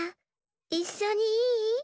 いっしょにいい？